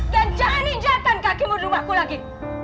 dan jangan injakkan kaki muda rumahku lagi